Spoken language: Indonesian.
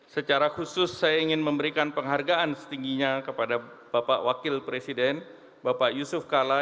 secara khusus saya ingin memberikan penghargaan setingginya kepada bapak wakil presiden bapak yusuf kala